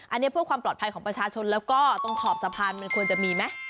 อันนี้เพื่อความปลอดภัยของประชาชนแล้วก็ตรงขอบสะพานมันควรจะมีไหม